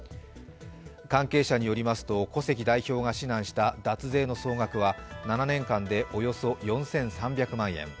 関係者によりますと古関代表が指南した脱税の総額は７年間でおよそ４３００万円。